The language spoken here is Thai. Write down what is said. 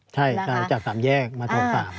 ใช่จากสามแยกมาทั้งสาม